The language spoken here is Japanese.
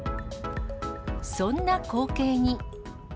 そんな光景に。